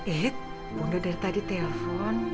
eh bunda dari tadi telepon